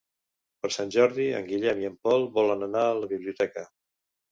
Per Sant Jordi en Guillem i en Pol volen anar a la biblioteca.